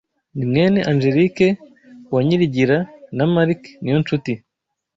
Ni mwene Angelique Uwanyirigira na Marc Niyonshuti